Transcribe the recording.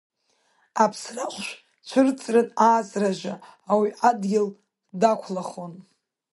Аԥсрахәшә цәырҵрын ааҵраҿы, ауаҩ адгьыл дақәлахон.